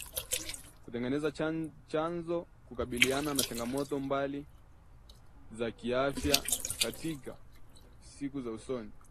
kutengeneza chanjo kukabiliana na changamoto mbali mbali za kiafya katika siku za usoni